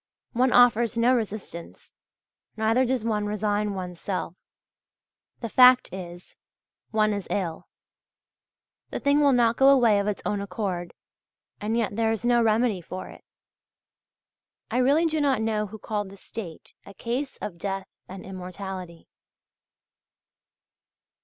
One offers no resistance, neither does one resign one's self; the fact is, one is ill; the thing will not go away of its own accord, and yet there is no remedy for it. I really do not know who called the state "a case of death and immortality."